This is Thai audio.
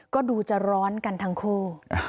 ก็ดูจะร้อนกันทั้งคู่